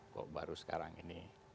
kok baru sekarang ini